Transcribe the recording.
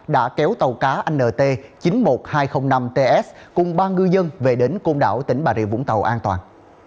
đã kéo tàu cá nt chín mươi một nghìn hai trăm linh năm ts cùng ba ngư dân về đến côn đảo tỉnh bà rịa vũng tàu an toàn